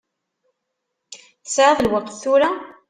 Tesɛiḍ lweqt tura?